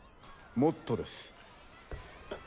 もっとです。